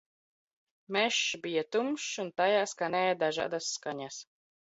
Mežs bija tumšs un tajā skanēja dažādas skaņas